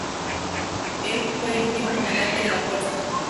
Él fue el último comandante de la fuerza.